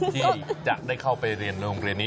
ที่จะได้เข้าไปเรียนโรงเรียนนี้